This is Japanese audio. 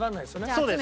そうです。